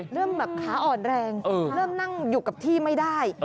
เริ่มแบบขาอ่อนแรงเริ่มนั่งอยู่กับที่ไม่ได้